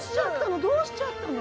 どうしちゃったの？